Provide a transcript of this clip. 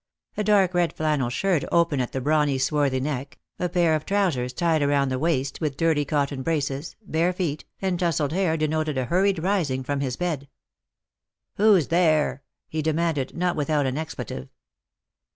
A dark red flannel shirt open at the brawny swarthy neck, a pair of trousers tied round the waist with dirty cotton braces, bare feet, and tousled hair denoted a hurried rising from his bed. " Who's there ?" he demanded, not without an expletive.